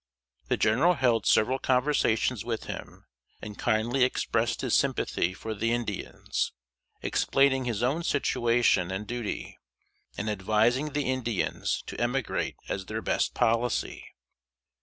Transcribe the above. The General held several conversations with him, and kindly expressed his sympathy for the Indians, explaining his own situation and duty, and advising the Indians to emigrate as their best policy.